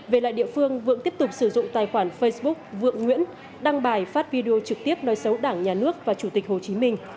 về lại địa phương vượng tiếp tục sử dụng tài khoản facebook vượng nguyễn đăng bài phát video trực tiếp nói xấu đảng nhà nước và chủ tịch hồ chí minh